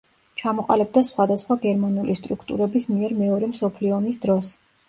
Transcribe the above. ჩამოყალიბდა სხვადასხვა გერმანული სტრუქტურების მიერ მეორე მსოფლიო ომის დროს.